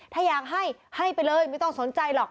ถ้าอยากให้ให้ไปเลยไม่ต้องสนใจหรอก